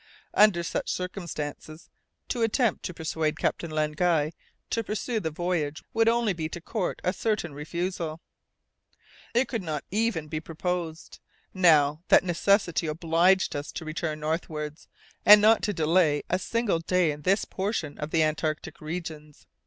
Under such circumstances, to attempt to persuade Captain Len Guy to pursue the voyage would only be to court a certain refusal. It could not even be proposed, now that necessity obliged us to return northwards, and not to delay a single day in this portion of the Antarctic regions.